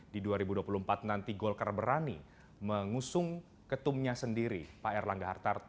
di dua ribu dua puluh empat nanti golkar berani mengusung ketumnya sendiri pak erlangga hartarto